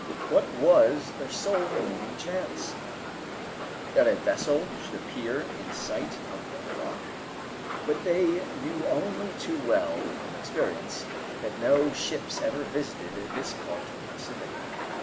What was their sole remaining chance? That a vessel should appear in sight of the rock? But they knew only too well from experience that no ships ever visited this part of the Pacific.